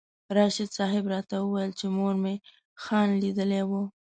راشد صاحب راته وویل چې مور مې خان لیدلی و.